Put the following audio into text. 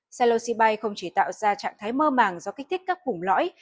psilocybe không chỉ tạo ra trạng thái mơ màng do kích thích các vùng lõi